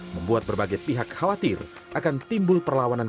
membuat berbagai pihak khawatir akan timbul perlawanan